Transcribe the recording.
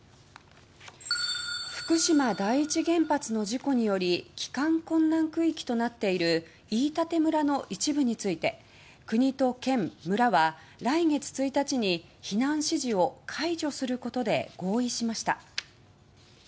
福島第一原発の事故により帰還困難区域となっている飯舘村の一部について国と県、村は来月１日に避難指示を解除することで合意しました。